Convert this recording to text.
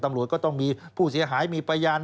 ตำรวจก็ต้องมีผู้เสียหายมีพยาน